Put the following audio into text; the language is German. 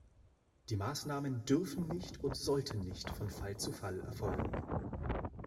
Die Maßnahmen dürfen nicht und sollten nicht von Fall zu Fall erfolgen.